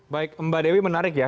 baik mbak dewi menarik ya